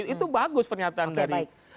itu bagus pernyataan dari